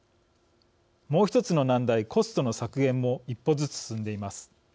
もう１つの難題、コストの削減も一歩ずつ進んでいます。